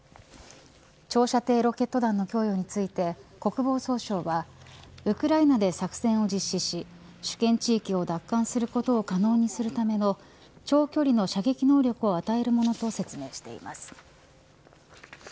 長射程ロケット弾の供与について国防総省はウクライナで作戦を実施し主権地域を奪還することを可能にするための長距離の射撃能力を与えるものと説明しています。